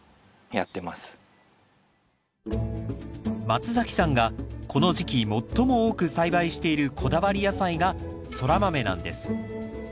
松崎さんがこの時期最も多く栽培しているこだわり野菜がソラマメなんです。